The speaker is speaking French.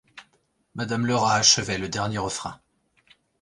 Madame Lerat achevait le dernier refrain.